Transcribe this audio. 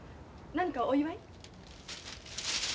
何かお祝い？